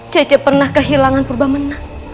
cece pernah kehilangan purba menang